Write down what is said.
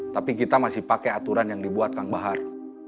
tapi kita masih pakai aturan yang dibuat kang bahar